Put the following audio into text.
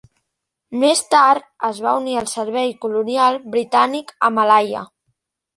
Més tard es va unir al servei colonial britànic a Malaia.